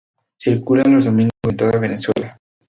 Circula los domingos en toda Venezuela.